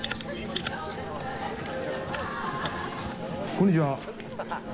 こんにちは。